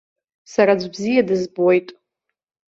Сара аӡә бзиа дызбоит!